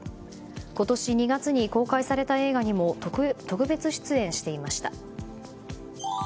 今年２月に公開された映画にも特別出演していました。